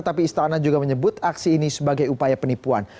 tapi istana juga menyebut aksi ini sebagai upaya penipuan